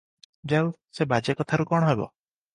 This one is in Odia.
ଯାଉ, ସେ ବାଜେ କଥାରୁ କ'ଣ ହେବ?